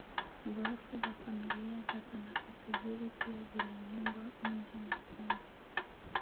Ghorofa za familia za Tanaka tajiri pia zilijengwa mji mkongwe